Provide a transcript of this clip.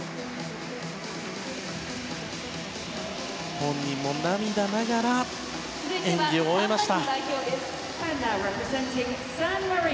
本人も涙ながら演技を終えました。